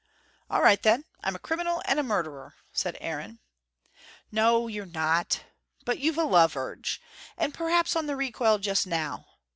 "All right then. I'm a criminal and a murderer," said Aaron. "No, you're not. But you've a love urge. And perhaps on the recoil just now.